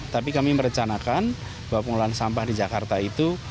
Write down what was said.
tapi kami merencanakan bahwa pengolahan sampah di jakarta itu